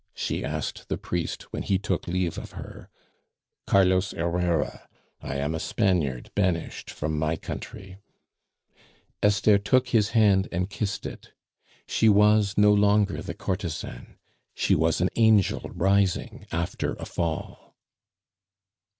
she asked the priest when he took leave of her. "Carlos Herrera; I am a Spaniard banished from my country." Esther took his hand and kissed it. She was no longer the courtesan; she was an angel rising after a fall.